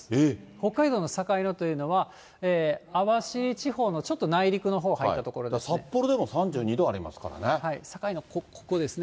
北海道の境野というのは、網走地方のちょっと内陸のほう、札幌でも３２度ありますから境野、ここですね。